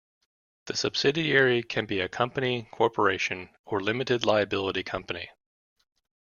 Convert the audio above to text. The subsidiary can be a company, corporation, or limited liability company.